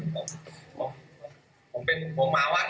ผมเป็นผมมาว่ะครับ